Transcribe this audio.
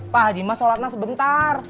pak haji mas sholatnya sebentar